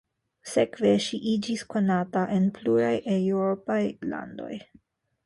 Sekve ŝi iĝis konata en pluraj eŭropaj landoj.